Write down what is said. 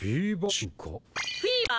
フィーバー